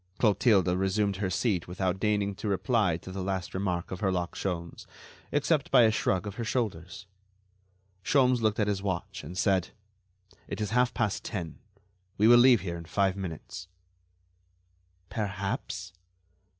Clotilde resumed her seat without deigning to reply to the last remark of Herlock Sholmes, except by a shrug of her shoulders. Sholmes looked at his watch and said: "It is half past ten. We will leave here in five minutes." "Perhaps."